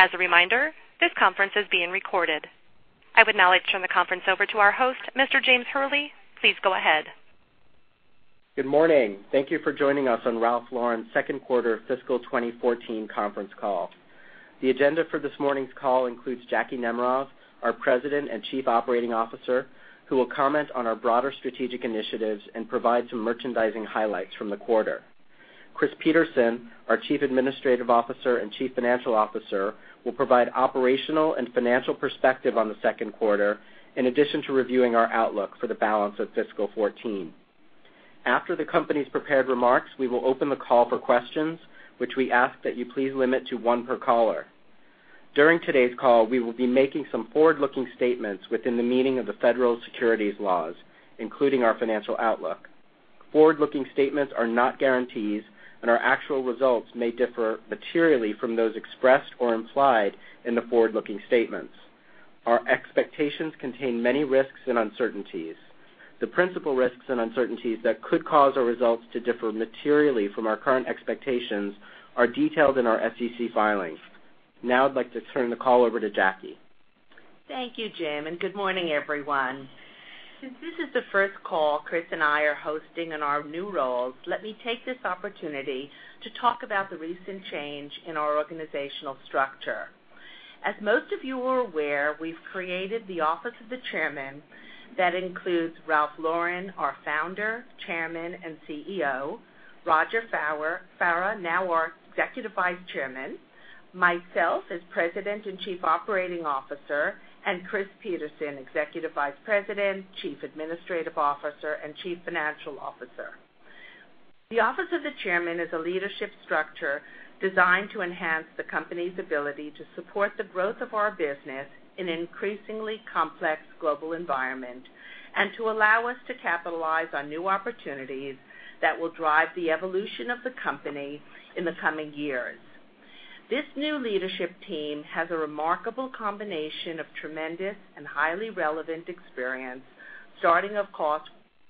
As a reminder, this conference is being recorded. I would now like to turn the conference over to our host, Mr. James Hurley. Please go ahead. Good morning. Thank you for joining us on Ralph Lauren's second quarter fiscal 2014 conference call. The agenda for this morning's call includes Jacki Nemerov, our President and Chief Operating Officer, who will comment on our broader strategic initiatives and provide some merchandising highlights from the quarter. Christopher Peterson, our Chief Administrative Officer and Chief Financial Officer, will provide operational and financial perspective on the second quarter, in addition to reviewing our outlook for the balance of fiscal 2014. After the company's prepared remarks, we will open the call for questions, which we ask that you please limit to one per caller. During today's call, we will be making some forward-looking statements within the meaning of the federal securities laws, including our financial outlook. Forward-looking statements are not guarantees, and our actual results may differ materially from those expressed or implied in the forward-looking statements. Our expectations contain many risks and uncertainties. The principal risks and uncertainties that could cause our results to differ materially from our current expectations are detailed in our SEC filings. I'd like to turn the call over to Jacki. Thank you, Jim, and good morning, everyone. Since this is the first call Chris and I are hosting in our new roles, let me take this opportunity to talk about the recent change in our organizational structure. As most of you are aware, we've created the Office of the Chairman that includes Ralph Lauren, our Founder, Chairman and CEO, Roger Farah, now our Executive Vice Chairman, myself as President and Chief Operating Officer, and Chris Peterson, Executive Vice President, Chief Administrative Officer, and Chief Financial Officer. The Office of the Chairman is a leadership structure designed to enhance the company's ability to support the growth of our business in an increasingly complex global environment and to allow us to capitalize on new opportunities that will drive the evolution of the company in the coming years. This new leadership team has a remarkable combination of tremendous and highly relevant experience, starting, of course,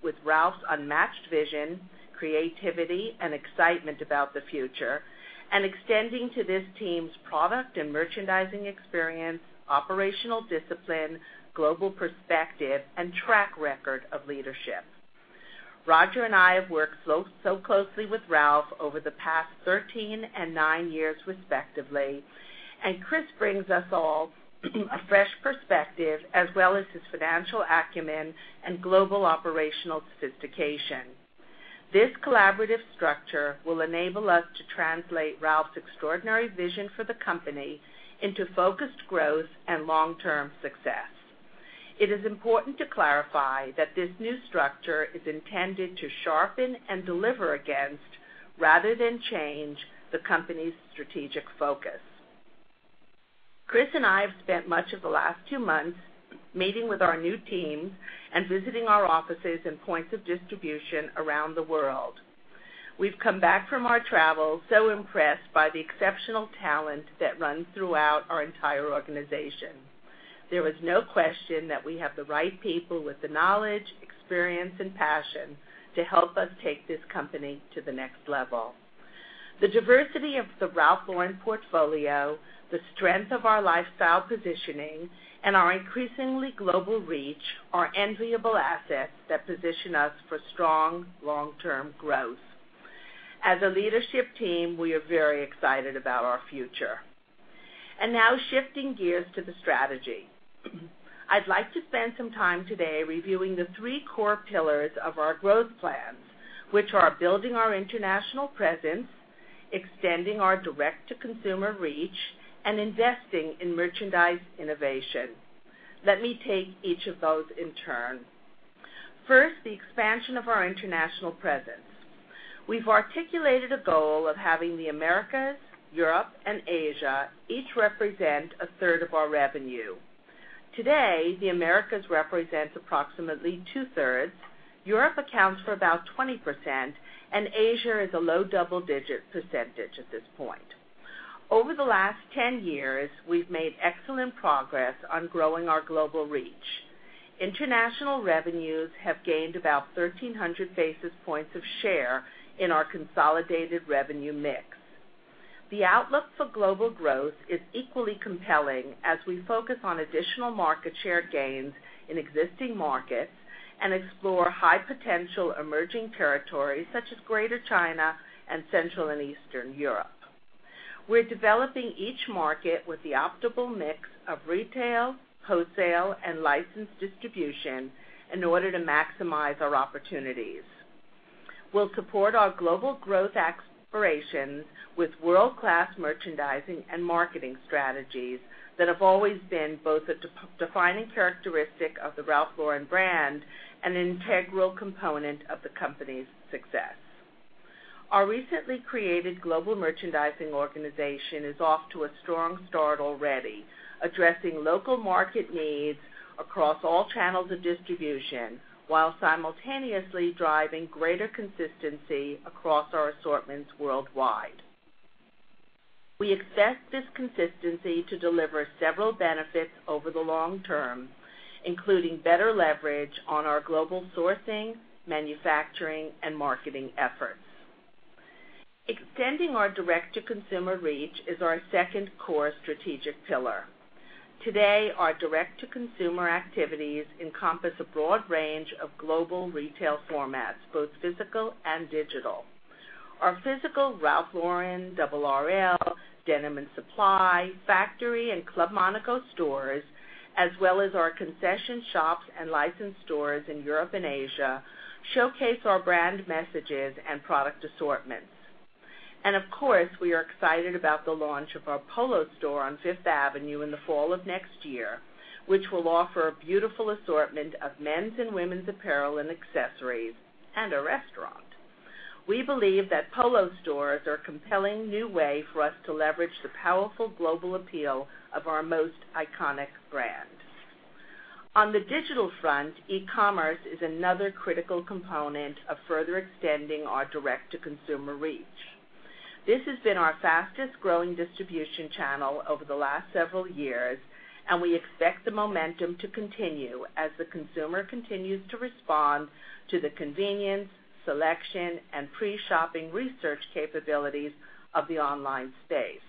with Ralph's unmatched vision, creativity, and excitement about the future, and extending to this team's product and merchandising experience, operational discipline, global perspective, and track record of leadership. Roger and I have worked so closely with Ralph over the past 13 and nine years, respectively, Chris brings us all a fresh perspective, as well as his financial acumen and global operational sophistication. This collaborative structure will enable us to translate Ralph's extraordinary vision for the company into focused growth and long-term success. It is important to clarify that this new structure is intended to sharpen and deliver against, rather than change, the company's strategic focus. Chris and I have spent much of the last two months meeting with our new team and visiting our offices and points of distribution around the world. We've come back from our travels so impressed by the exceptional talent that runs throughout our entire organization. There is no question that we have the right people with the knowledge, experience, and passion to help us take this company to the next level. The diversity of the Ralph Lauren portfolio, the strength of our lifestyle positioning, and our increasingly global reach are enviable assets that position us for strong long-term growth. As a leadership team, we are very excited about our future. Now shifting gears to the strategy. I'd like to spend some time today reviewing the three core pillars of our growth plans, which are building our international presence, extending our direct-to-consumer reach, and investing in merchandise innovation. Let me take each of those in turn. First, the expansion of our international presence. We've articulated a goal of having the Americas, Europe, and Asia each represent a third of our revenue. Today, the Americas represents approximately two-thirds, Europe accounts for about 20%, and Asia is a low double-digit percentage at this point. Over the last 10 years, we've made excellent progress on growing our global reach. International revenues have gained about 1,300 basis points of share in our consolidated revenue mix. The outlook for global growth is equally compelling as we focus on additional market share gains in existing markets and explore high-potential emerging territories such as Greater China and Central and Eastern Europe. We're developing each market with the optimal mix of retail, wholesale, and licensed distribution in order to maximize our opportunities. We'll support our global growth aspirations with world-class merchandising and marketing strategies that have always been both a defining characteristic of the Ralph Lauren brand and an integral component of the company's success. Our recently created global merchandising organization is off to a strong start already, addressing local market needs across all channels of distribution while simultaneously driving greater consistency across our assortments worldwide. We expect this consistency to deliver several benefits over the long term, including better leverage on our global sourcing, manufacturing, and marketing efforts. Extending our direct-to-consumer reach is our second core strategic pillar. Today, our direct-to-consumer activities encompass a broad range of global retail formats, both physical and digital. Our physical Ralph Lauren, RL, Denim & Supply, Factory, and Club Monaco stores, as well as our concession shops and licensed stores in Europe and Asia, showcase our brand messages and product assortments. We are excited about the launch of our Polo store on Fifth Avenue in the fall of next year, which will offer a beautiful assortment of men's and women's apparel and accessories, and a restaurant. We believe that Polo stores are a compelling new way for us to leverage the powerful global appeal of our most iconic brand. On the digital front, e-commerce is another critical component of further extending our direct-to-consumer reach. This has been our fastest-growing distribution channel over the last several years, and we expect the momentum to continue as the consumer continues to respond to the convenience, selection, and pre-shopping research capabilities of the online space.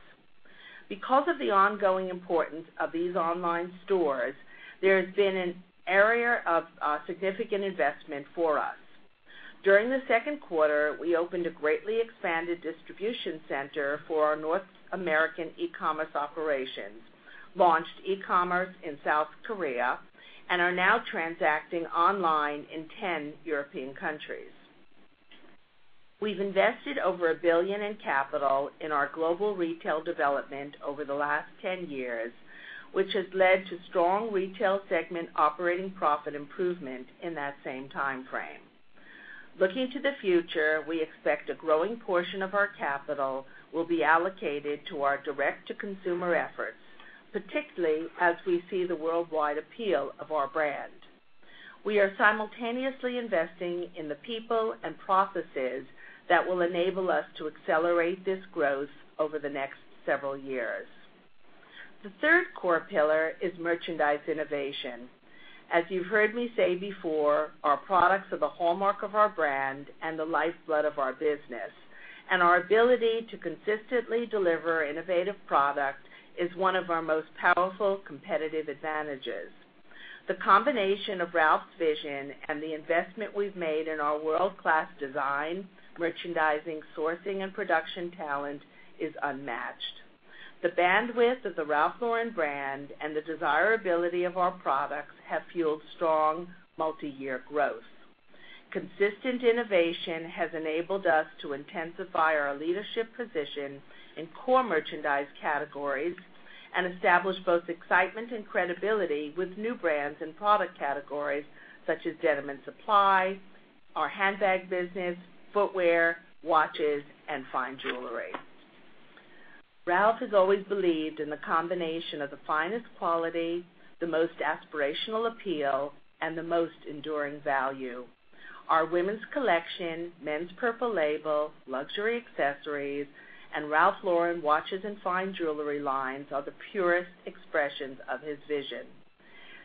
Because of the ongoing importance of these online stores, there has been an area of significant investment for us. During the second quarter, we opened a greatly expanded distribution center for our North American e-commerce operations, launched e-commerce in South Korea, and are now transacting online in 10 European countries. We've invested over $1 billion in capital in our global retail development over the last 10 years, which has led to strong retail segment operating profit improvement in that same timeframe. Looking to the future, we expect a growing portion of our capital will be allocated to our direct-to-consumer efforts, particularly as we see the worldwide appeal of our brand. We are simultaneously investing in the people and processes that will enable us to accelerate this growth over the next several years. The third core pillar is merchandise innovation. As you've heard me say before, our products are the hallmark of our brand and the lifeblood of our business. Our ability to consistently deliver innovative product is one of our most powerful competitive advantages. The combination of Ralph's vision and the investment we've made in our world-class design, merchandising, sourcing, and production talent is unmatched. The bandwidth of the Ralph Lauren brand and the desirability of our products have fueled strong multi-year growth. Consistent innovation has enabled us to intensify our leadership position in core merchandise categories and establish both excitement and credibility with new brands and product categories such as Denim & Supply, our handbag business, footwear, watches, and fine jewelry. Ralph has always believed in the combination of the finest quality, the most aspirational appeal, and the most enduring value. Our women's collection, men's Purple Label, luxury accessories, and Ralph Lauren watches and fine jewelry lines are the purest expressions of his vision.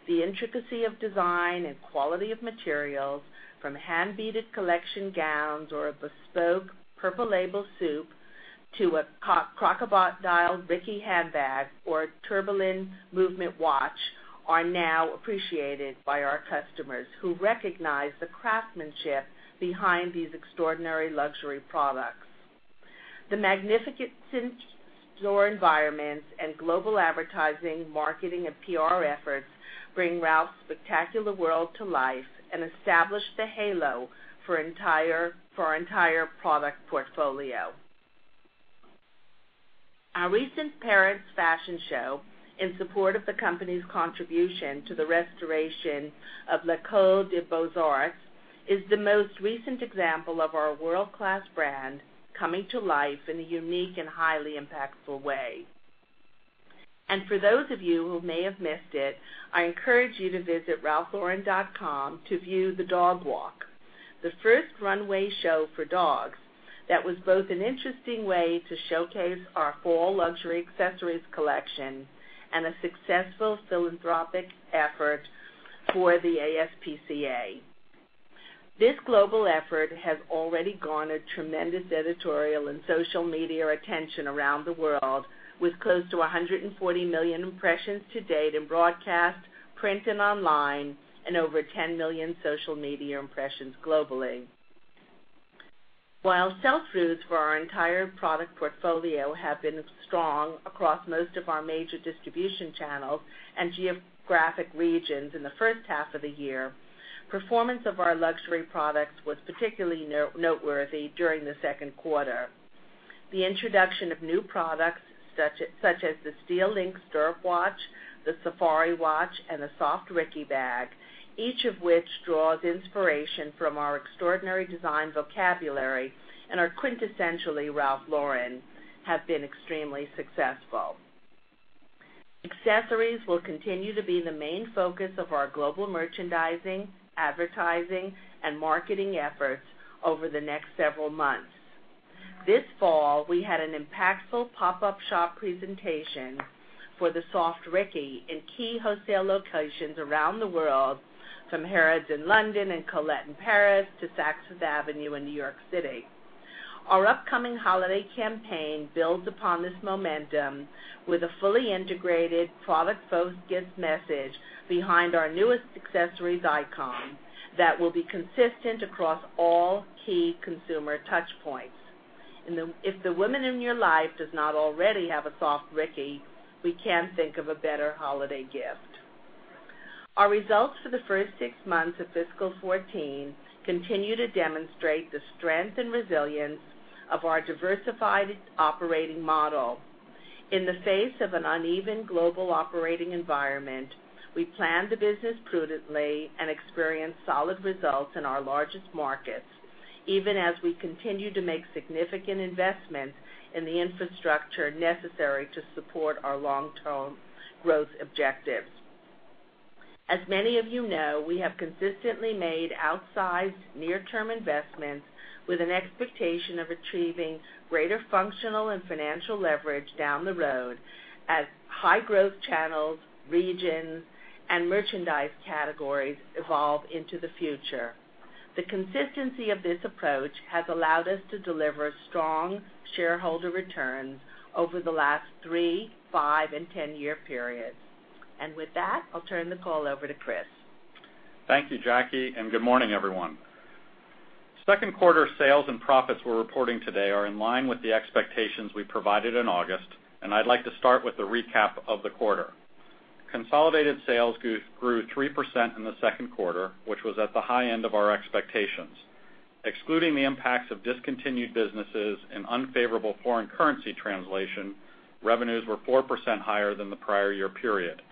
The intricacy of design and quality of materials, from hand-beaded collection gowns or a bespoke Purple Label suit to a crocodile Ricky handbag or Tourbillon movement watch, are now appreciated by our customers who recognize the craftsmanship behind these extraordinary luxury products. The magnificent store environments and global advertising, marketing, and PR efforts bring Ralph's spectacular world to life and establish the halo for our entire product portfolio. Our recent Paris fashion show, in support of the company's contribution to the restoration of L'École des Beaux-Arts, is the most recent example of our world-class brand coming to life in a unique and highly impactful way. For those of you who may have missed it, I encourage you to visit ralphlauren.com to view The Dog Walk, the first runway show for dogs that was both an interesting way to showcase our fall luxury accessories collection and a successful philanthropic effort for the ASPCA. This global effort has already garnered tremendous editorial and social media attention around the world, with close to 140 million impressions to date in broadcast, print, and online, and over 10 million social media impressions globally. While sell-throughs for our entire product portfolio have been strong across most of our major distribution channels and geographic regions in the first half of the year, performance of our luxury products was particularly noteworthy during the second quarter. The introduction of new products, such as the Stirrup Petite Link watch, the Safari watch, and the Soft Ricky bag, each of which draws inspiration from our extraordinary design vocabulary and are quintessentially Ralph Lauren, have been extremely successful. Accessories will continue to be the main focus of our global merchandising, advertising, and marketing efforts over the next several months. This fall, we had an impactful pop-up shop presentation for the Soft Ricky in key wholesale locations around the world, from Harrods in London and Colette in Paris to Saks Fifth Avenue in New York City. Our upcoming holiday campaign builds upon this momentum with a fully integrated product-focused gift message behind our newest accessories icon that will be consistent across all key consumer touchpoints. If the woman in your life does not already have a Soft Ricky, we can't think of a better holiday gift. Our results for the first six months of fiscal 2014 continue to demonstrate the strength and resilience of our diversified operating model. In the face of an uneven global operating environment, we planned the business prudently and experienced solid results in our largest markets, even as we continue to make significant investments in the infrastructure necessary to support our long-term growth objectives. As many of you know, we have consistently made outsized near-term investments with an expectation of achieving greater functional and financial leverage down the road as high-growth channels, regions, and merchandise categories evolve into the future. The consistency of this approach has allowed us to deliver strong shareholder returns over the last three, five, and 10-year periods. With that, I'll turn the call over to Chris. Thank you, Jacki, good morning, everyone. Second quarter sales and profits we're reporting today are in line with the expectations we provided in August. I'd like to start with a recap of the quarter. Consolidated sales grew 3% in the second quarter, which was at the high end of our expectations. Excluding the impacts of discontinued businesses and unfavorable foreign currency translation, revenues were 4% higher than the prior year period.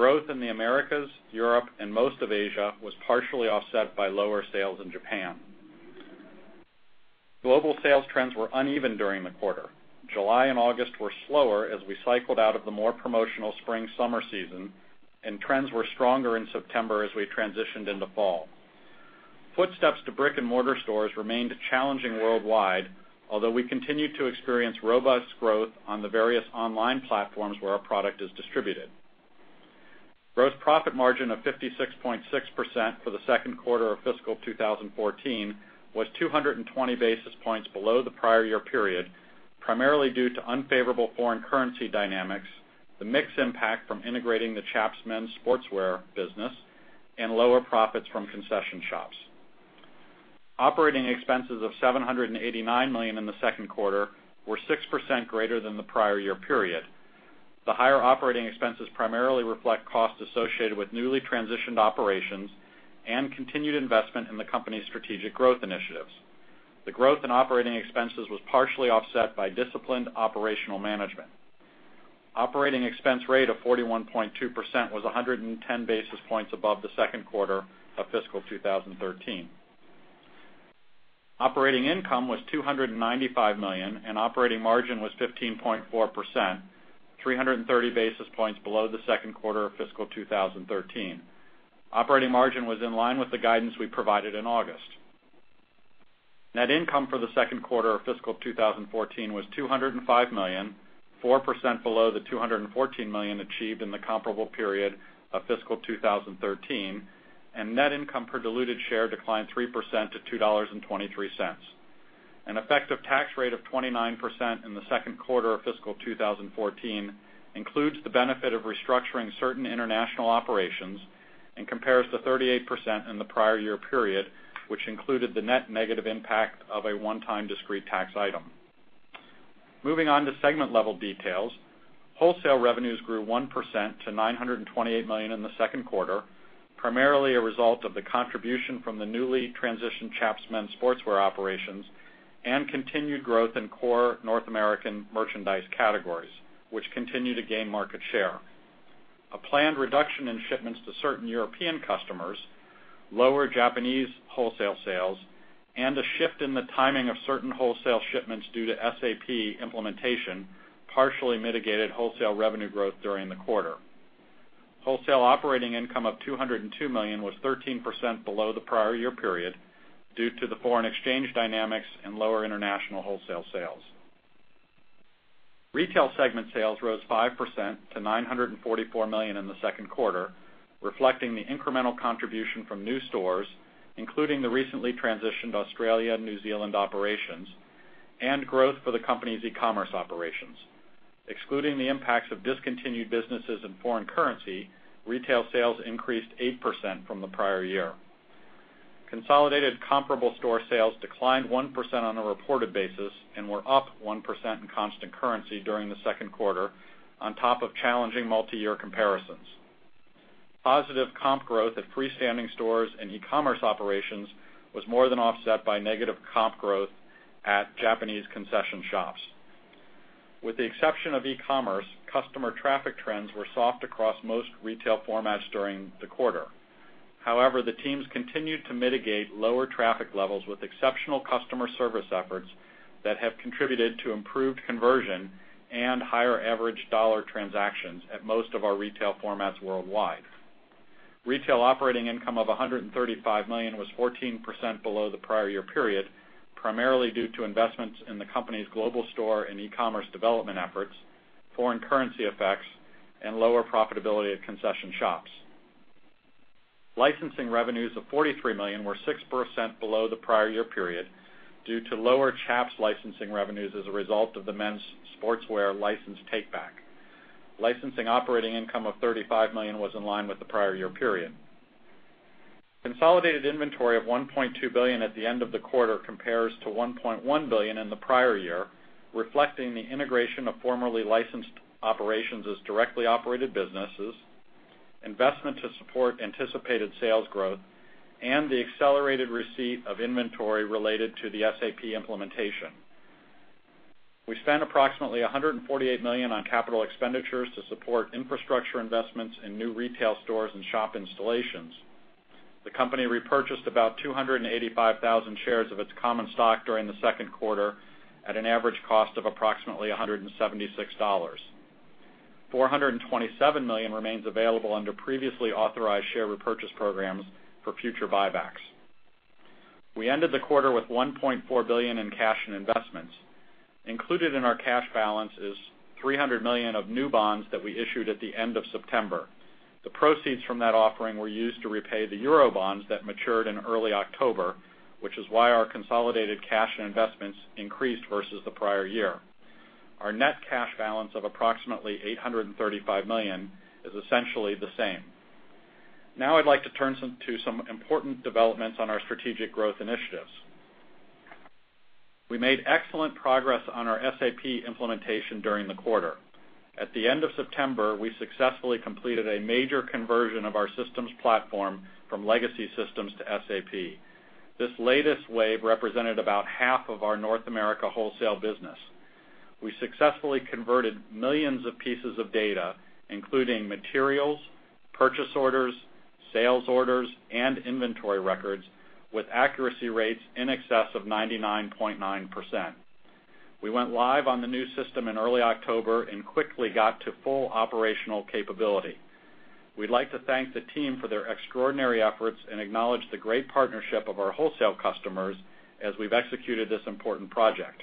Growth in the Americas, Europe, and most of Asia was partially offset by lower sales in Japan. Global sales trends were uneven during the quarter. July and August were slower as we cycled out of the more promotional spring/summer season, trends were stronger in September as we transitioned into fall. Footsteps to brick-and-mortar stores remained challenging worldwide, although we continued to experience robust growth on the various online platforms where our product is distributed. Gross profit margin of 56.6% for the second quarter of fiscal 2014 was 220 basis points below the prior year period, primarily due to unfavorable foreign currency dynamics, the mix impact from integrating the Chaps men's sportswear business, and lower profits from concession shops. Operating expenses of $789 million in the second quarter were 6% greater than the prior year period. The higher operating expenses primarily reflect costs associated with newly transitioned operations and continued investment in the company's strategic growth initiatives. The growth in operating expenses was partially offset by disciplined operational management. Operating expense rate of 41.2% was 110 basis points above the second quarter of fiscal 2013. Operating income was $295 million, and operating margin was 15.4%, 330 basis points below the second quarter of fiscal 2013. Operating margin was in line with the guidance we provided in August. Net income for the second quarter of fiscal 2014 was $205 million, 4% below the $214 million achieved in the comparable period of fiscal 2013. Net income per diluted share declined 3% to $2.23. An effective tax rate of 29% in the second quarter of fiscal 2014 includes the benefit of restructuring certain international operations and compares to 38% in the prior year period, which included the net negative impact of a one-time discrete tax item. Moving on to segment-level details. Wholesale revenues grew 1% to $928 million in the second quarter, primarily a result of the contribution from the newly transitioned Chaps men's sportswear operations and continued growth in core North American merchandise categories, which continue to gain market share. A planned reduction in shipments to certain European customers, lower Japanese wholesale sales, and a shift in the timing of certain wholesale shipments due to SAP implementation partially mitigated wholesale revenue growth during the quarter. Wholesale operating income of $202 million was 13% below the prior year period due to the foreign exchange dynamics and lower international wholesale sales. Retail segment sales rose 5% to $944 million in the second quarter, reflecting the incremental contribution from new stores, including the recently transitioned Australia and New Zealand operations, and growth for the company's e-commerce operations. Excluding the impacts of discontinued businesses and foreign currency, retail sales increased 8% from the prior year. Consolidated comparable store sales declined 1% on a reported basis and were up 1% in constant currency during the second quarter on top of challenging multi-year comparisons. Positive comp growth at freestanding stores and e-commerce operations was more than offset by negative comp growth at Japanese concession shops. With the exception of e-commerce, customer traffic trends were soft across most retail formats during the quarter. However, the teams continued to mitigate lower traffic levels with exceptional customer service efforts that have contributed to improved conversion and higher average dollar transactions at most of our retail formats worldwide. Retail operating income of $135 million was 14% below the prior year period, primarily due to investments in the company's global store and e-commerce development efforts, foreign currency effects, and lower profitability at concession shops. Licensing revenues of $43 million were 6% below the prior year period due to lower Chaps licensing revenues as a result of the men's sportswear license take-back. Licensing operating income of $35 million was in line with the prior year period. Consolidated inventory of $1.2 billion at the end of the quarter compares to $1.1 billion in the prior year, reflecting the integration of formerly licensed operations as directly operated businesses, investment to support anticipated sales growth, and the accelerated receipt of inventory related to the SAP implementation. We spent approximately $148 million on capital expenditures to support infrastructure investments in new retail stores and shop installations. The company repurchased about 285,000 shares of its common stock during the second quarter at an average cost of approximately $176. $427 million remains available under previously authorized share repurchase programs for future buybacks. We ended the quarter with $1.4 billion in cash and investments. Included in our cash balance is $300 million of new bonds that we issued at the end of September. The proceeds from that offering were used to repay the Euro bonds that matured in early October, which is why our consolidated cash and investments increased versus the prior year. Our net cash balance of approximately $835 million is essentially the same. I'd like to turn to some important developments on our strategic growth initiatives. We made excellent progress on our SAP implementation during the quarter. At the end of September, we successfully completed a major conversion of our systems platform from legacy systems to SAP. This latest wave represented about half of our North America wholesale business. We successfully converted millions of pieces of data, including materials, purchase orders, sales orders, and inventory records with accuracy rates in excess of 99.9%. We went live on the new system in early October and quickly got to full operational capability. We'd like to thank the team for their extraordinary efforts and acknowledge the great partnership of our wholesale customers as we've executed this important project.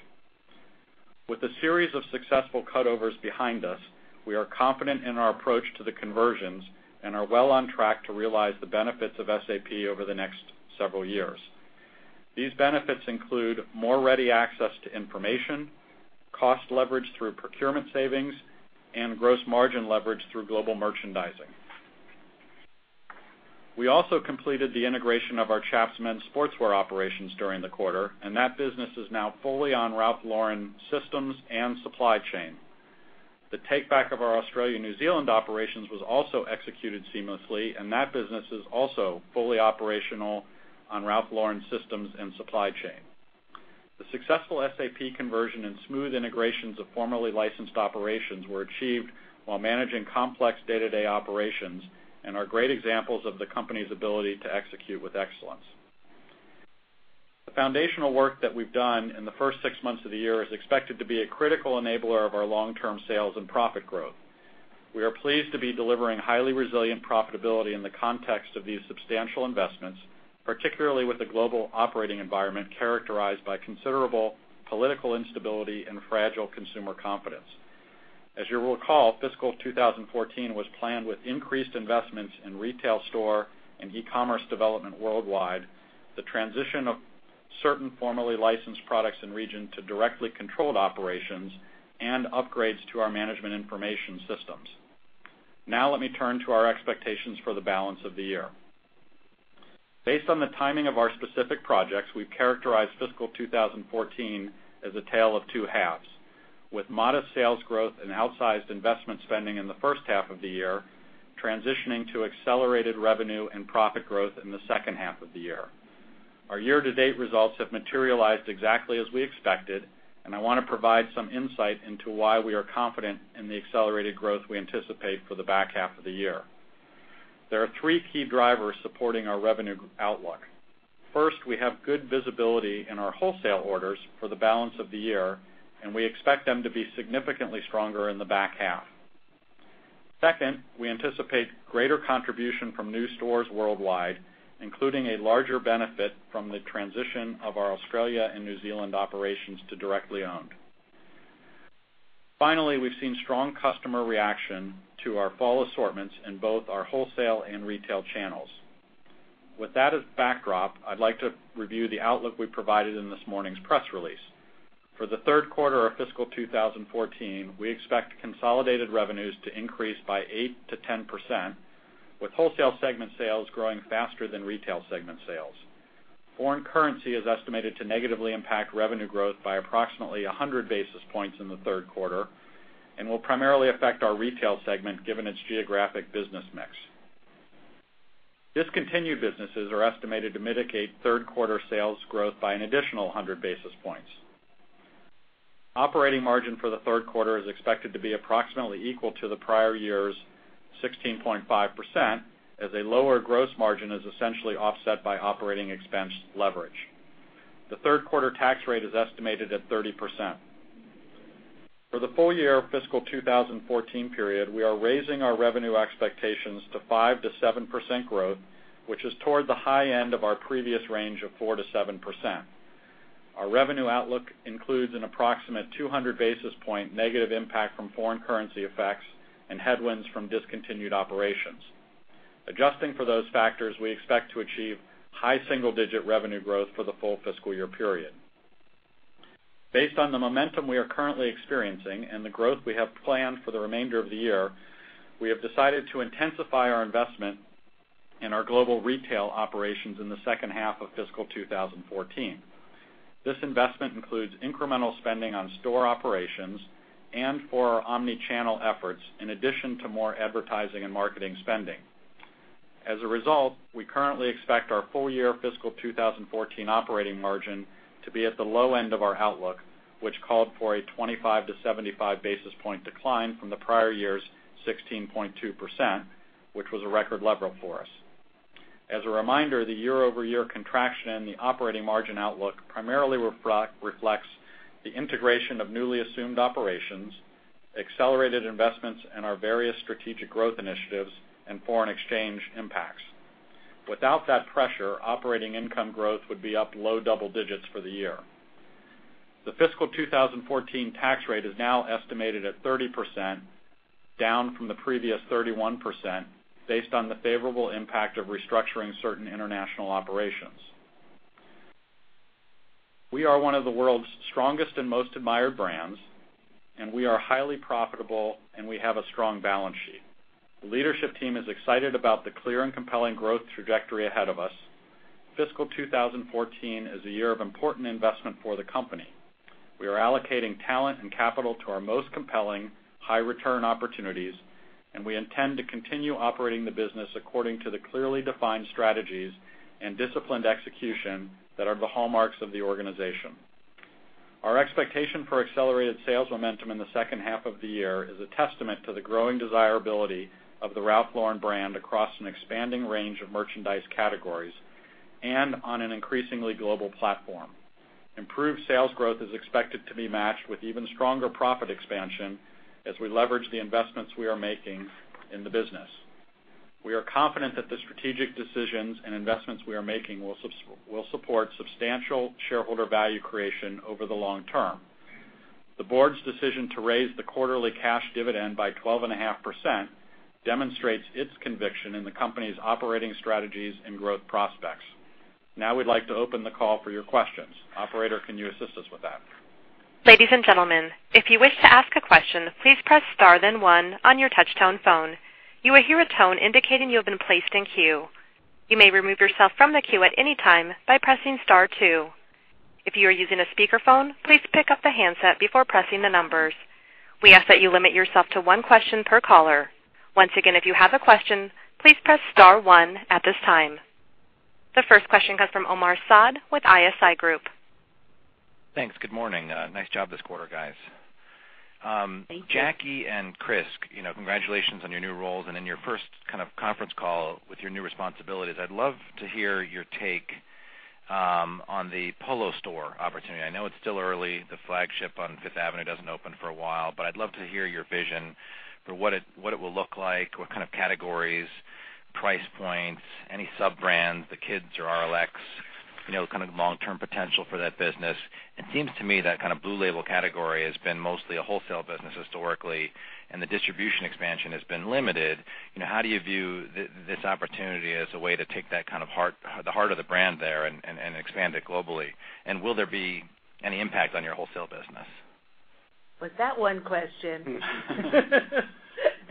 With a series of successful cutovers behind us, we are confident in our approach to the conversions and are well on track to realize the benefits of SAP over the next several years. These benefits include more ready access to information, cost leverage through procurement savings, and gross margin leverage through global merchandising. We also completed the integration of our Chaps men's sportswear operations during the quarter, and that business is now fully on Ralph Lauren systems and supply chain. The take-back of our Australia, New Zealand operations was also executed seamlessly, and that business is also fully operational on Ralph Lauren systems and supply chain. The successful SAP conversion and smooth integrations of formerly licensed operations were achieved while managing complex day-to-day operations and are great examples of the company's ability to execute with excellence. The foundational work that we've done in the first six months of the year is expected to be a critical enabler of our long-term sales and profit growth. We are pleased to be delivering highly resilient profitability in the context of these substantial investments, particularly with the global operating environment characterized by considerable political instability and fragile consumer confidence. As you'll recall, fiscal 2014 was planned with increased investments in retail store and e-commerce development worldwide, the transition of certain formerly licensed products and region to directly controlled operations, and upgrades to our management information systems. Let me turn to our expectations for the balance of the year. Based on the timing of our specific projects, we've characterized fiscal 2014 as a tale of two halves, with modest sales growth and outsized investment spending in the first half of the year, transitioning to accelerated revenue and profit growth in the second half of the year. Our year-to-date results have materialized exactly as we expected, and I want to provide some insight into why we are confident in the accelerated growth we anticipate for the back half of the year. There are three key drivers supporting our revenue outlook. First, we have good visibility in our wholesale orders for the balance of the year, and we expect them to be significantly stronger in the back half. Second, we anticipate greater contribution from new stores worldwide, including a larger benefit from the transition of our Australia and New Zealand operations to directly owned. Finally, we've seen strong customer reaction to our fall assortments in both our wholesale and retail channels. With that as backdrop, I'd like to review the outlook we provided in this morning's press release. For the third quarter of fiscal 2014, we expect consolidated revenues to increase by 8%-10%, with wholesale segment sales growing faster than retail segment sales. Foreign currency is estimated to negatively impact revenue growth by approximately 100 basis points in the third quarter and will primarily affect our retail segment given its geographic business mix. Discontinued businesses are estimated to mitigate third quarter sales growth by an additional 100 basis points. Operating margin for the third quarter is expected to be approximately equal to the prior year's 16.5%, as a lower gross margin is essentially offset by operating expense leverage. The third quarter tax rate is estimated at 30%. For the full year fiscal 2014 period, we are raising our revenue expectations to 5%-7% growth, which is toward the high end of our previous range of 4%-7%. Our revenue outlook includes an approximate 200 basis point negative impact from foreign currency effects and headwinds from discontinued operations. Adjusting for those factors, we expect to achieve high single-digit revenue growth for the full fiscal year period. Based on the momentum we are currently experiencing and the growth we have planned for the remainder of the year, we have decided to intensify our investment in our global retail operations in the second half of fiscal 2014. This investment includes incremental spending on store operations and for our omni-channel efforts, in addition to more advertising and marketing spending. As a result, we currently expect our full year fiscal 2014 operating margin to be at the low end of our outlook, which called for a 25-75 basis point decline from the prior year's 16.2%, which was a record level for us. As a reminder, the year-over-year contraction in the operating margin outlook primarily reflects the integration of newly assumed operations, accelerated investments in our various strategic growth initiatives, and foreign exchange impacts. Without that pressure, operating income growth would be up low double digits for the year. The fiscal 2014 tax rate is now estimated at 30%, down from the previous 31%, based on the favorable impact of restructuring certain international operations. We are one of the world's strongest and most admired brands, and we are highly profitable, and we have a strong balance sheet. The leadership team is excited about the clear and compelling growth trajectory ahead of us. Fiscal 2014 is a year of important investment for the company. We are allocating talent and capital to our most compelling high-return opportunities, and we intend to continue operating the business according to the clearly defined strategies and disciplined execution that are the hallmarks of the organization. Our expectation for accelerated sales momentum in the second half of the year is a testament to the growing desirability of the Ralph Lauren brand across an expanding range of merchandise categories and on an increasingly global platform. Improved sales growth is expected to be matched with even stronger profit expansion as we leverage the investments we are making in the business. We are confident that the strategic decisions and investments we are making will support substantial shareholder value creation over the long term. The board's decision to raise the quarterly cash dividend by 12.5% demonstrates its conviction in the company's operating strategies and growth prospects. Now we'd like to open the call for your questions. Operator, can you assist us with that? Ladies and gentlemen, if you wish to ask a question, please press star then one on your touch tone phone. You will hear a tone indicating you have been placed in queue. You may remove yourself from the queue at any time by pressing star two. If you are using a speakerphone, please pick up the handset before pressing the numbers. We ask that you limit yourself to one question per caller. Once again, if you have a question, please press star one at this time. The first question comes from Omar Saad with ISI Group. Thanks. Good morning. Nice job this quarter, guys. Thank you. Jacki and Chris, congratulations on your new roles. In your first conference call with your new responsibilities, I'd love to hear your take on the Polo store opportunity. I know it's still early. The flagship on Fifth Avenue doesn't open for a while. I'd love to hear your vision for what it will look like, what kind of categories, price points, any sub-brands, the kids or RLX, kind of the long-term potential for that business. It seems to me that kind of Blue Label category has been mostly a wholesale business historically. The distribution expansion has been limited. How do you view this opportunity as a way to take the heart of the brand there and expand it globally? Will there be any impact on your wholesale business? Was that one question?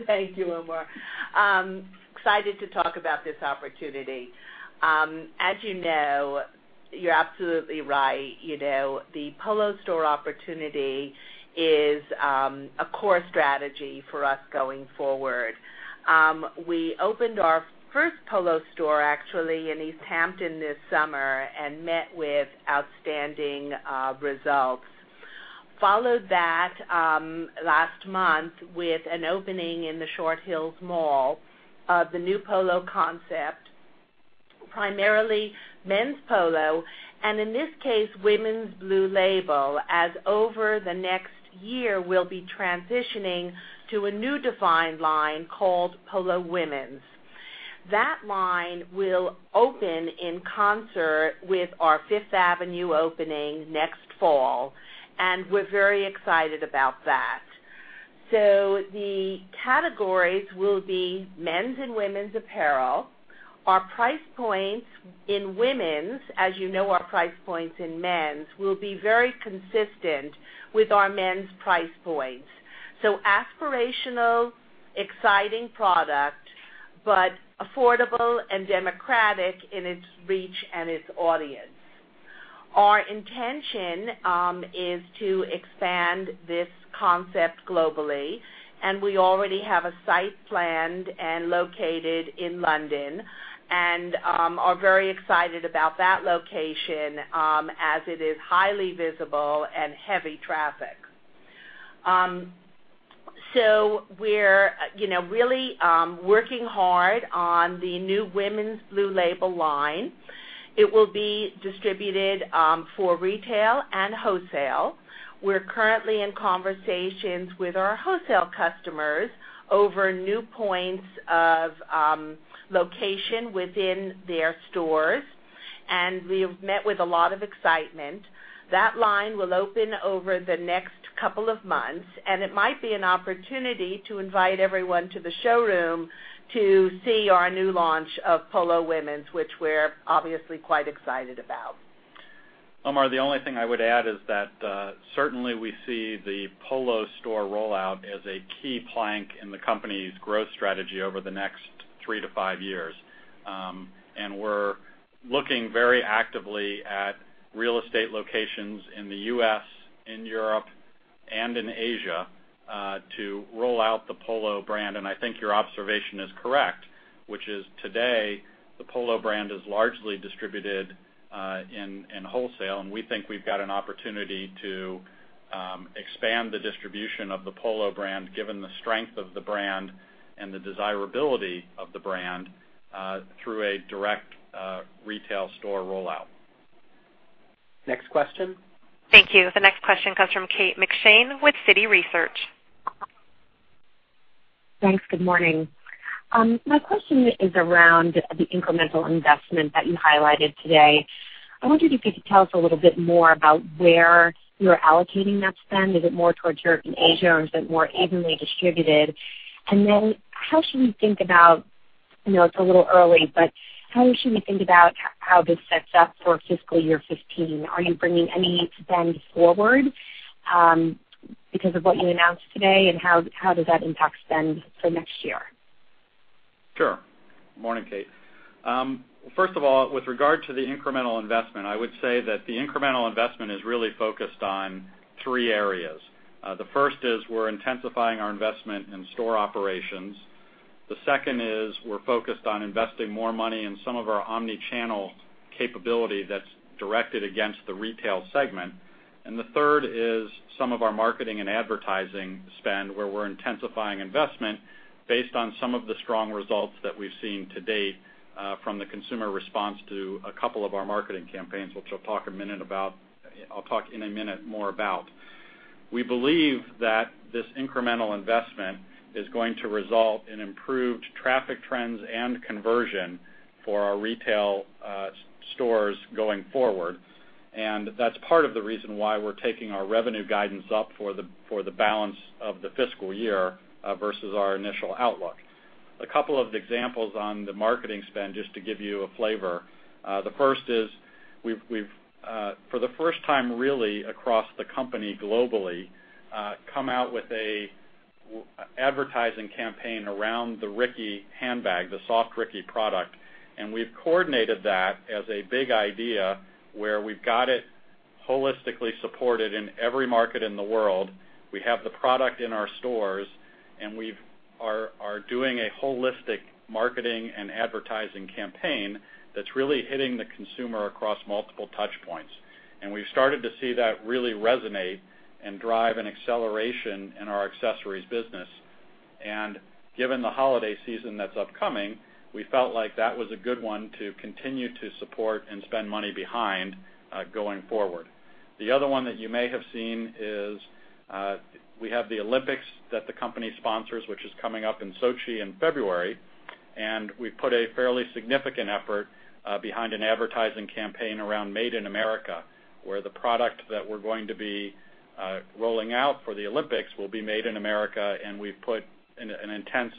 Thank you, Omar. Excited to talk about this opportunity. You know, you're absolutely right. The Polo store opportunity is a core strategy for us going forward. We opened our first Polo store, actually, in East Hampton this summer. We met with outstanding results. Followed that last month with an opening in the Short Hills Mall of the new Polo concept, primarily men's Polo. In this case, women's Blue Label, as over the next year, we'll be transitioning to a new defined line called Polo Women's. That line will open in concert with our Fifth Avenue opening next fall. We're very excited about that. The categories will be men's and women's apparel. Our price points in women's, as you know our price points in men's, will be very consistent with our men's price points. Aspirational, exciting product, affordable and democratic in its reach and its audience. Our intention is to expand this concept globally. We already have a site planned and located in London. We are very excited about that location as it is highly visible and heavy traffic. We're really working hard on the new women's Blue Label line. It will be distributed for retail and wholesale. We're currently in conversations with our wholesale customers over new points of location within their stores. We've met with a lot of excitement. That line will open over the next couple of months. It might be an opportunity to invite everyone to the showroom to see our new launch of Polo Women's, which we're obviously quite excited about. Omar, the only thing I would add is that, certainly we see the Polo store rollout as a key plank in the company's growth strategy over the next three to five years. We're looking very actively at real estate locations in the U.S., in Europe, and in Asia, to roll out the Polo brand. I think your observation is correct, which is today, the Polo brand is largely distributed in wholesale, and we think we've got an opportunity to expand the distribution of the Polo brand, given the strength of the brand and the desirability of the brand, through a direct retail store rollout. Next question. Thank you. The next question comes from Kate McShane with Citi Research. Thanks. Good morning. My question is around the incremental investment that you highlighted today. I wonder if you could tell us a little bit more about where you're allocating that spend. Is it more towards Europe and Asia, or is it more evenly distributed? How should we think about, it's a little early, but how should we think about how this sets up for fiscal year 2015? Are you bringing any spend forward because of what you announced today, and how does that impact spend for next year? Sure. Morning, Kate. First of all, with regard to the incremental investment, I would say that the incremental investment is really focused on three areas. The first is we're intensifying our investment in store operations. The second is we're focused on investing more money in some of our omni-channel capability that's directed against the retail segment. The third is some of our marketing and advertising spend, where we're intensifying investment based on some of the strong results that we've seen to date from the consumer response to a couple of our marketing campaigns, which I'll talk in a minute more about. We believe that this incremental investment is going to result in improved traffic trends and conversion for our retail stores going forward. That's part of the reason why we're taking our revenue guidance up for the balance of the fiscal year versus our initial outlook. A couple of examples on the marketing spend, just to give you a flavor. The first is we've, for the first time really across the company globally, come out with an advertising campaign around the Ricky handbag, the Soft Ricky product. We've coordinated that as a big idea where we've got it holistically supported in every market in the world. We have the product in our stores, we are doing a holistic marketing and advertising campaign that's really hitting the consumer across multiple touch points. We've started to see that really resonate and drive an acceleration in our accessories business. Given the holiday season that's upcoming, we felt like that was a good one to continue to support and spend money behind, going forward. The other one that you may have seen is, we have the Olympics that the company sponsors, which is coming up in Sochi in February. We put a fairly significant effort behind an advertising campaign around Made in America, where the product that we're going to be rolling out for the Olympics will be Made in America, we've put an intense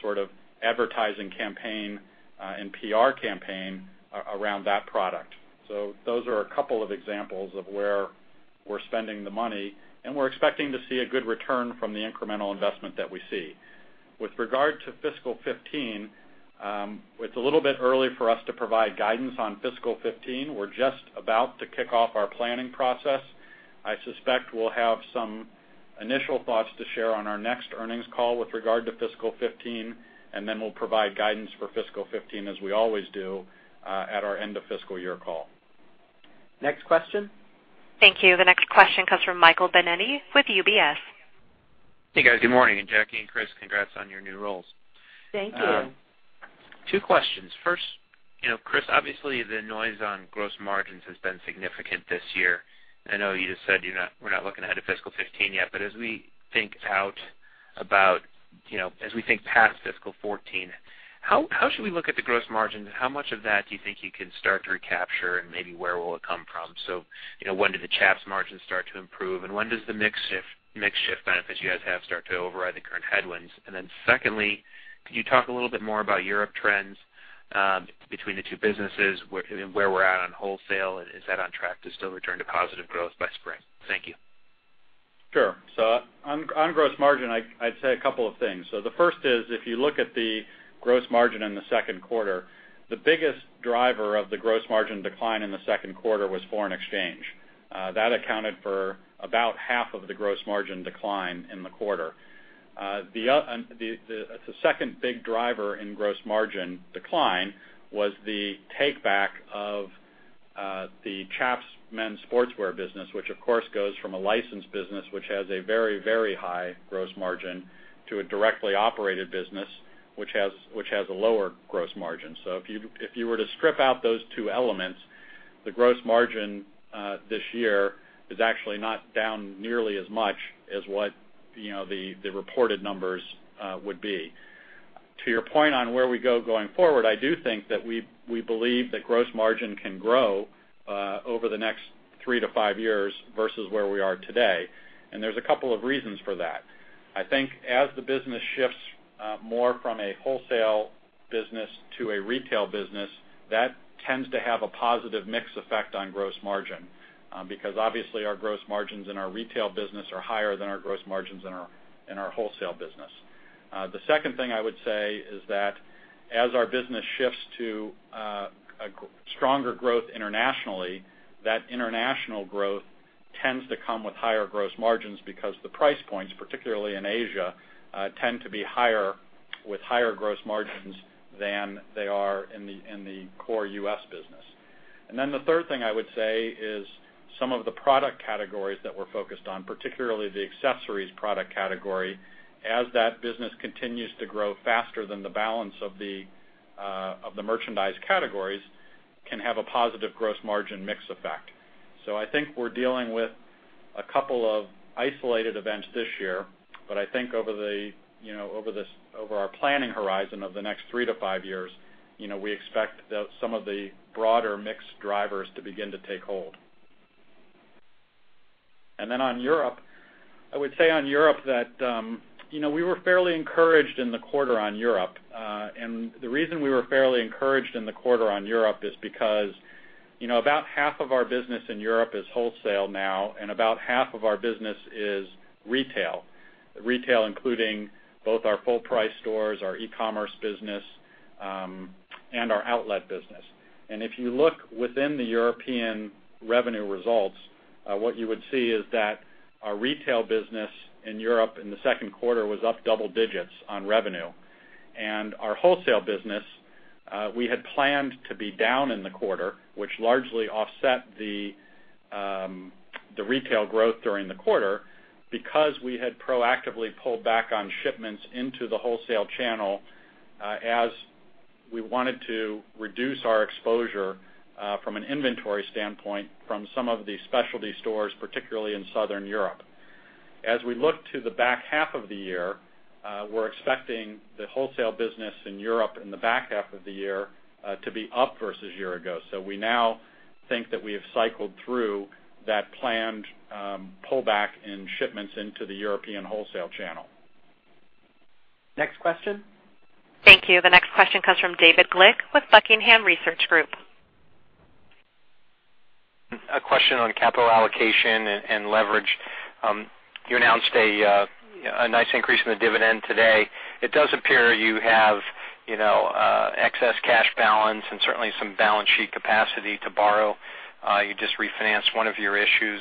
sort of advertising campaign and PR campaign around that product. Those are a couple of examples of where we're spending the money, we're expecting to see a good return from the incremental investment that we see. With regard to fiscal 2015, it's a little bit early for us to provide guidance on fiscal 2015. We're just about to kick off our planning process. I suspect we'll have some initial thoughts to share on our next earnings call with regard to fiscal 2015. We'll provide guidance for fiscal 2015 as we always do, at our end of fiscal year call. Next question. Thank you. The next question comes from Michael Binetti with UBS. Hey, guys. Good morning. Jacki and Chris, congrats on your new roles. Thank you. Thank you. Two questions. First, Chris, obviously the noise on gross margins has been significant this year. I know you just said we're not looking ahead to fiscal 2015 yet. As we think past fiscal 2014, how should we look at the gross margins? How much of that do you think you can start to recapture, and maybe where will it come from? When do the Chaps margins start to improve, and when does the mix shift benefits you guys have start to override the current headwinds? Secondly, could you talk a little bit more about Europe trends between the two businesses, where we're at on wholesale? Is that on track to still return to positive growth by spring? Thank you. Sure. On gross margin, I'd say a couple of things. The first is, if you look at the gross margin in the second quarter, the biggest driver of the gross margin decline in the second quarter was foreign exchange. That accounted for about half of the gross margin decline in the quarter. The second big driver in gross margin decline was the take-back of the Chaps men's sportswear business, which of course goes from a licensed business which has a very high gross margin, to a directly operated business which has a lower gross margin. If you were to strip out those two elements, the gross margin this year is actually not down nearly as much as what the reported numbers would be. To your point on where we go going forward, I do think that we believe that gross margin can grow over the next 3-5 years versus where we are today, There's a couple of reasons for that. I think as the business shifts more from a wholesale business to a retail business, that tends to have a positive mix effect on gross margin. Obviously, our gross margins in our retail business are higher than our gross margins in our wholesale business. The second thing I would say is that as our business shifts to a stronger growth internationally, that international growth tends to come with higher gross margins because the price points, particularly in Asia, tend to be higher with higher gross margins than they are in the core U.S. business. The third thing I would say is some of the product categories that we're focused on, particularly the accessories product category, as that business continues to grow faster than the balance of the merchandise categories, can have a positive gross margin mix effect. I think we're dealing with a couple of isolated events this year, but I think over our planning horizon of the next three to five years, we expect some of the broader mix drivers to begin to take hold. On Europe, I would say on Europe that we were fairly encouraged in the quarter on Europe. The reason we were fairly encouraged in the quarter on Europe is because about half of our business in Europe is wholesale now, and about half of our business is retail. Retail including both our full-price stores, our e-commerce business, and our outlet business. If you look within the European revenue results, what you would see is that our retail business in Europe in the second quarter was up double digits on revenue. Our wholesale business, we had planned to be down in the quarter, which largely offset the retail growth during the quarter because we had proactively pulled back on shipments into the wholesale channel as we wanted to reduce our exposure from an inventory standpoint from some of the specialty stores, particularly in Southern Europe. As we look to the back half of the year, we're expecting the wholesale business in Europe in the back half of the year to be up versus year ago. We now think that we have cycled through that planned pullback in shipments into the European wholesale channel. Next question. Thank you. The next question comes from David Glick with Buckingham Research Group. A question on capital allocation and leverage. You announced a nice increase in the dividend today. It does appear you have excess cash balance and certainly some balance sheet capacity to borrow. You just refinanced one of your issues.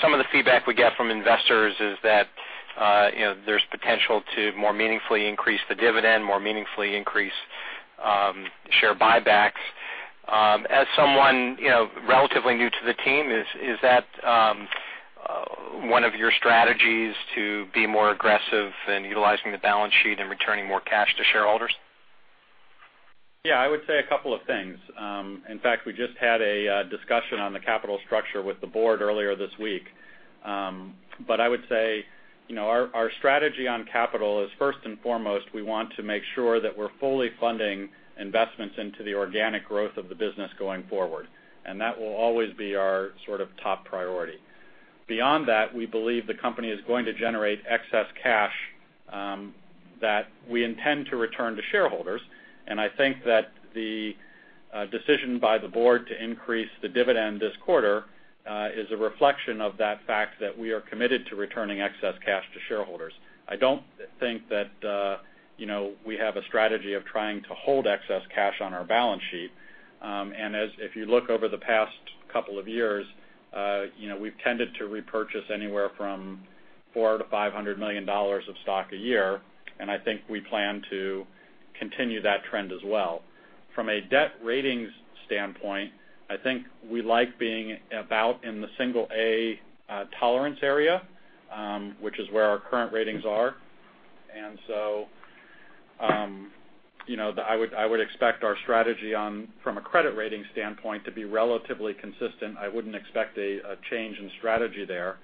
Some of the feedback we get from investors is that there's potential to more meaningfully increase the dividend, more meaningfully increase share buybacks. As someone relatively new to the team, is that one of your strategies to be more aggressive in utilizing the balance sheet and returning more cash to shareholders? Yeah, I would say a couple of things. In fact, we just had a discussion on the capital structure with the board earlier this week. I would say our strategy on capital is first and foremost, we want to make sure that we're fully funding investments into the organic growth of the business going forward. That will always be our sort of top priority. Beyond that, we believe the company is going to generate excess cash that we intend to return to shareholders, and I think that the decision by the board to increase the dividend this quarter is a reflection of that fact that we are committed to returning excess cash to shareholders. I don't think that we have a strategy of trying to hold excess cash on our balance sheet. If you look over the past couple of years, we've tended to repurchase anywhere from $400 million-$500 million of stock a year, and I think we plan to continue that trend as well. From a debt ratings standpoint, I think we like being about in the single A tolerance area, which is where our current ratings are. I would expect our strategy from a credit rating standpoint to be relatively consistent. I wouldn't expect a change in strategy there.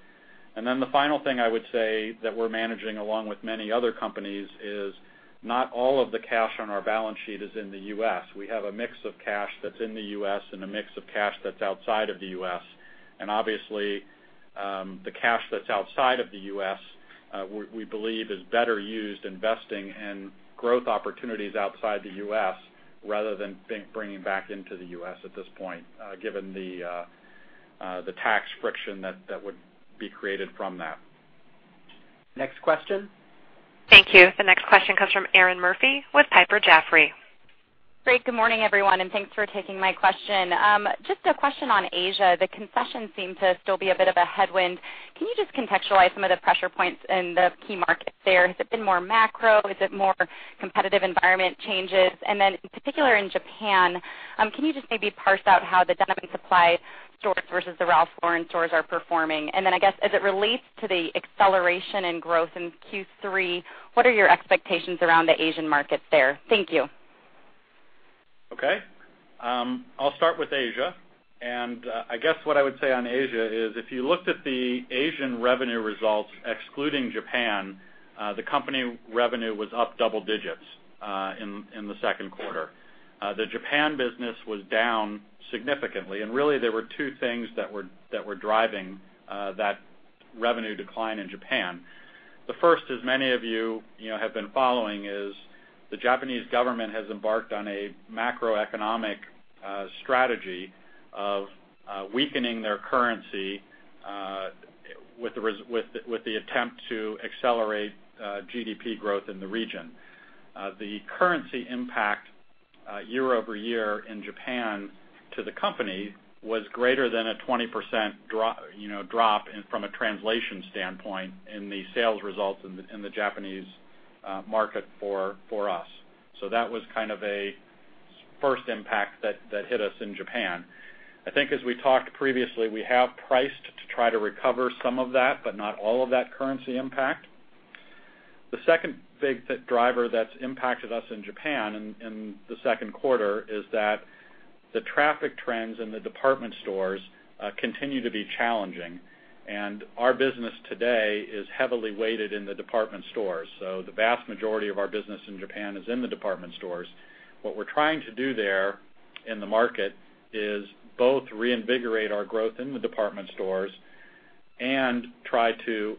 The final thing I would say that we're managing along with many other companies is not all of the cash on our balance sheet is in the U.S. We have a mix of cash that's in the U.S. and a mix of cash that's outside of the U.S. Obviously, the cash that's outside of the U.S., we believe is better used investing in growth opportunities outside the U.S. rather than bringing back into the U.S. at this point, given the tax friction that would be created from that. Next question. Thank you. The next question comes from Erinn Murphy with Piper Jaffray. Great. Good morning, everyone, thanks for taking my question. Just a question on Asia. The concession seemed to still be a bit of a headwind. Can you just contextualize some of the pressure points in the key markets there? Has it been more macro? Is it more competitive environment changes? In particular in Japan, can you just maybe parse out how the Denim & Supply stores versus the Ralph Lauren stores are performing? I guess as it relates to the acceleration in growth in Q3, what are your expectations around the Asian markets there? Thank you. Okay. I'll start with Asia. I guess what I would say on Asia is if you looked at the Asian revenue results excluding Japan, the company revenue was up double digits in the second quarter. The Japan business was down significantly, really there were two things that were driving that revenue decline in Japan. The first, as many of you have been following, is the Japanese government has embarked on a macroeconomic strategy of weakening their currency with the attempt to accelerate GDP growth in the region. The currency impact year-over-year in Japan to the company was greater than a 20% drop from a translation standpoint in the sales results in the Japanese market for us. That was kind of a first impact that hit us in Japan. I think as we talked previously, we have priced to try to recover some of that, but not all of that currency impact. The second big driver that's impacted us in Japan in the second quarter is that the traffic trends in the department stores continue to be challenging, and our business today is heavily weighted in the department stores. The vast majority of our business in Japan is in the department stores. What we're trying to do there in the market is both reinvigorate our growth in the department stores and try to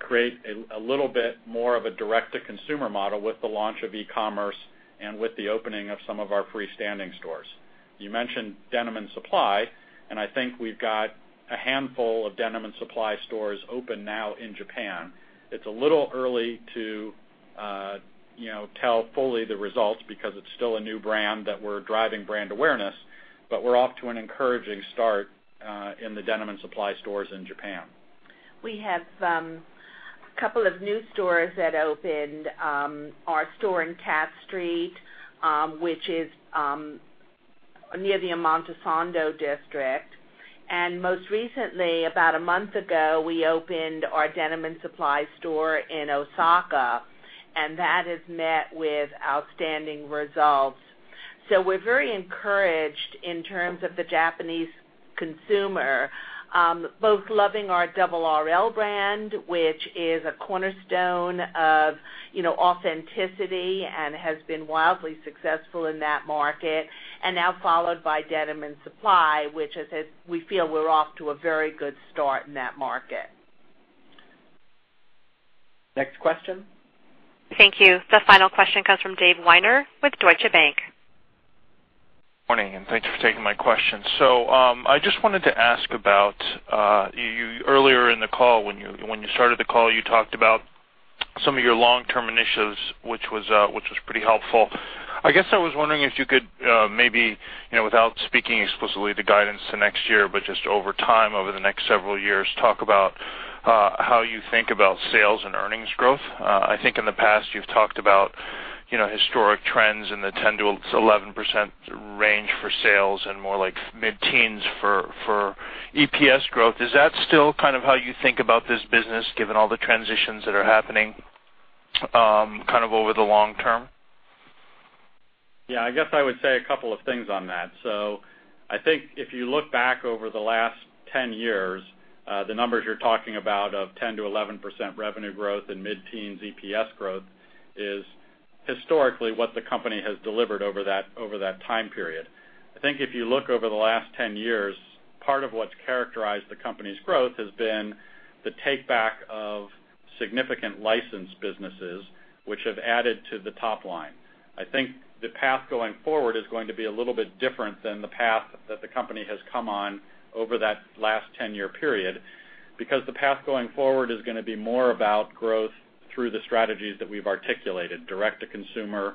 create a little bit more of a direct-to-consumer model with the launch of e-commerce and with the opening of some of our freestanding stores. You mentioned Denim & Supply, I think we've got a handful of Denim & Supply stores open now in Japan. It's a little early to tell fully the results because it's still a new brand that we're driving brand awareness, but we're off to an encouraging start in the Denim & Supply stores in Japan. We have a couple of new stores that opened. Our store in [Cat Street], which is near the Omotesando district. Most recently, about a month ago, we opened our Denim & Supply store in Osaka, that is met with outstanding results. We're very encouraged in terms of the Japanese consumer, both loving our Double RL brand, which is a cornerstone of authenticity and has been wildly successful in that market. Now followed by Denim & Supply, which we feel we're off to a very good start in that market. Next question. Thank you. The final question comes from Dave Weiner with Deutsche Bank. Morning. Thanks for taking my question. I just wanted to ask about earlier in the call, when you started the call, you talked about some of your long-term initiatives, which was pretty helpful. I guess I was wondering if you could maybe, without speaking explicitly to guidance to next year, but just over time, over the next several years, talk about how you think about sales and earnings growth. I think in the past you've talked about historic trends in the 10%-11% range for sales and more like mid-teens for EPS growth. Is that still kind of how you think about this business, given all the transitions that are happening kind of over the long term? I guess I would say a couple of things on that. I think if you look back over the last 10 years, the numbers you're talking about of 10%-11% revenue growth and mid-teens EPS growth is historically what the company has delivered over that time period. I think if you look over the last 10 years, part of what's characterized the company's growth has been the take-back of significant licensed businesses which have added to the top line. I think the path going forward is going to be a little bit different than the path that the company has come on over that last 10-year period because the path going forward is going to be more about growth through the strategies that we've articulated, direct-to-consumer,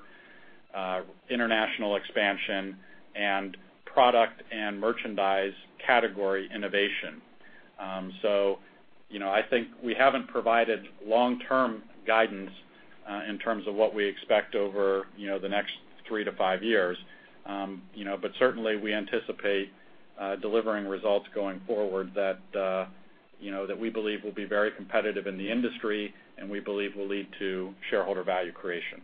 international expansion, and product and merchandise category innovation. I think we haven't provided long-term guidance in terms of what we expect over the next 3-5 years. Certainly, we anticipate delivering results going forward that we believe will be very competitive in the industry and we believe will lead to shareholder value creation.